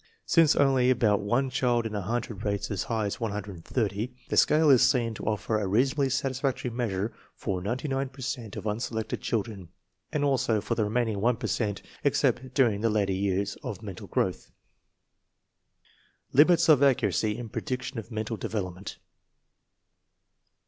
Since only about one child in a hundred rates as high 148 INTELLIGENCE OF SCHOOL CHILDREN as 130, the scale is seen to offer a reasonably satisfac tory measure for ninety nine per cent of unselected children, and also for the remaining one per cent except during the later years of mental growth. Limits of accuracy in prediction of mental develop* ment.